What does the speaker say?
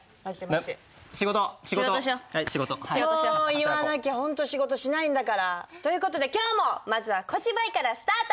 言わなきゃ本当仕事しないんだから。という事で今日もまずは小芝居からスタート！